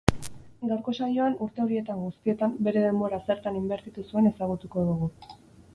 Gaurko saioan, urte horietan guztietan bere denbora zertan inbertitu zuen ezagutuko dugu.